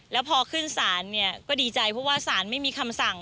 แล้วพอขึ้นศาลเนี่ยก็ดีใจเพราะว่าสารไม่มีคำสั่ง